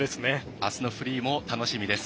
あすのフリーも楽しみです。